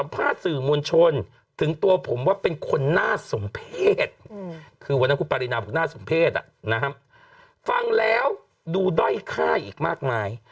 คือวันนั้นคุณปรินามบุคนาสมเพศนะครับฟังแล้วดูด้อยค่าอีกมากมาย